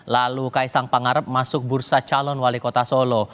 lalu kaisang pangarep masuk bursa calon wali kota solo